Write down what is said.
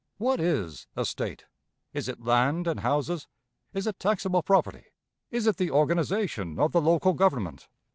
What is a State? Is it land and houses? Is it taxable property? Is it the organization of the local government?